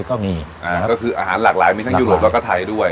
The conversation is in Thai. ก็มีอ่าก็คืออาหารหลากหลายมีทั้งยุโรปแล้วก็ไทยด้วย